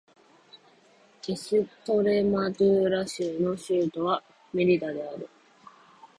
エストレマドゥーラ州の州都はメリダである